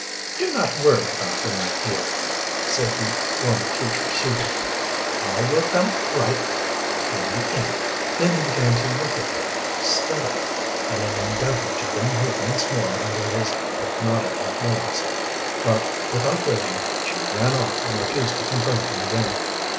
"Do not worry about them, my dear," said the former teacher soothingly. "All will come right in the end." Then he began to look at her steadily, in an endeavor to bring her once more under his hypnotic influence. But, without waiting, she ran off and refused to confront him again.